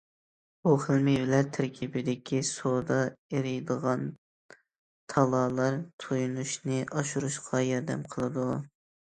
بۇ خىل مېۋىلەر تەركىبىدىكى سۇدا ئېرىيدىغان تالالار تويۇنۇشنى ئاشۇرۇشقا ياردەم قىلىدۇ.